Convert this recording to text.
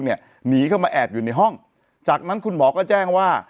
หนีเข้ามาแอบอยู่ในห้องจากนั้นคุณหมอก็แจ้งว่า